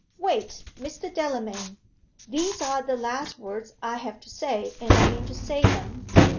(Wait, Mr. Delamayn! These are the last words I have to say and I mean to say them.)